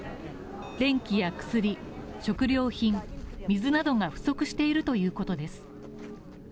電気や薬、食料品、水などが不足しているということです。